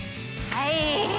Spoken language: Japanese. はい！